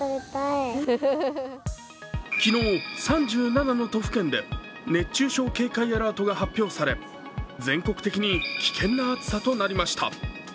昨日、３７の都府県で熱中症警戒アラートが発表され、全国的に危険な暑さとなりました。